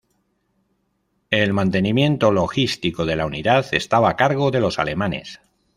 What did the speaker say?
El mantenimiento logístico de la unidad estaba a cargo de los alemanes.